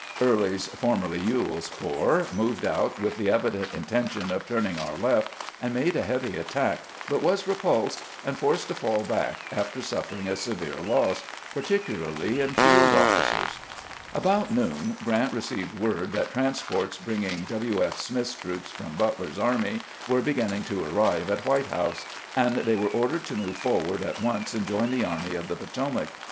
Early's (formerly E well's) corps moved out with the evident intention of turning our left, and made a heavy attack, but was repulsed, and forced to fall back, after suffering a severe loss, partic ularly in field of&cers. About noon Grrant received word that transports bringing W. F. Smith's troops from Butler's army were beginning to arrive at White House; and they were ordered to move forward at once, and join the Army of the Potomac.